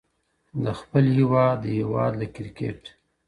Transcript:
له خپل هېواد، د هېواد له کرکټ